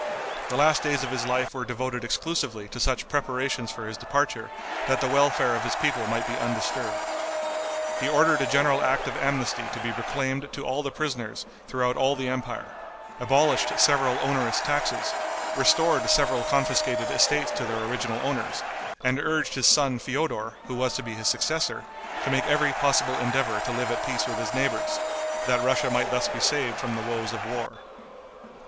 The last days of his life were devoted exclusively to such preparations for his departure that the welfare of his people might be undisturbed. He ordered a general act of amnesty to be proclaimed to all the prisoners throughout all the empire, abolished several onerous taxes, restored several confiscated estates to their original owners, and urged his son, Feodor, who was to be his successor, to make every possible endeavor to live at peace with his neighbors, that Russia might thus be saved from the woes of war.